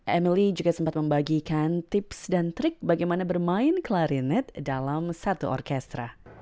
emily juga sempat membagikan tips dan trik bagaimana bermain klarinet dalam satu orkestra